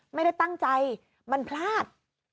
ไม่ได้ตั้งใจมันพลาด